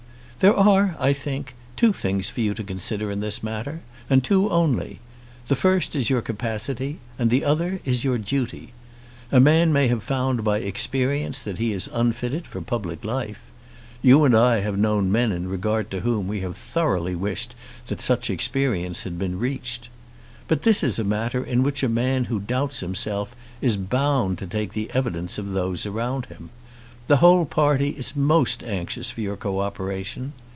There are, I think, two things for you to consider in this matter, and two only. The first is your capacity, and the other is your duty. A man may have found by experience that he is unfitted for public life. You and I have known men in regard to whom we have thoroughly wished that such experience had been reached. But this is a matter in which a man who doubts himself is bound to take the evidence of those around him. The whole party is most anxious for your co operation.